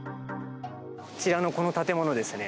こちらのこの建物ですね。